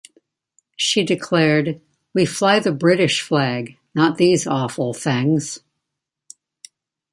She declared, We fly the British flag, not these awful things.